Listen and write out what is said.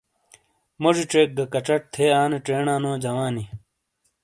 موجی چیک گہ کَچٹ تھے آنے چینا نو جوانی!